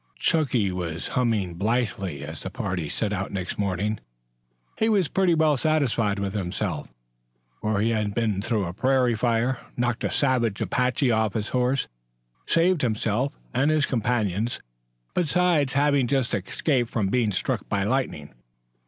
Chunky was humming blithely as the party set out next morning. He was pretty well satisfied with himself, for had he not been through a prairie fire, knocked a savage Apache off his horse, saved himself and his companions, besides having just escaped from being struck by lightning?